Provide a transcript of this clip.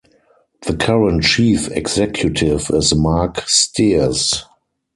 The current chief executive is Marc Stears.